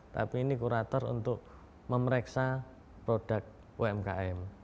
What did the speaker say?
tapi ini kurator untuk memeriksa produk umkm